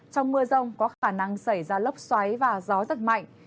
trong mưa rông có khả năng xảy ra lốc xoáy và gió giật mạnh